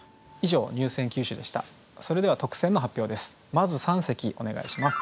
まず三席お願いします。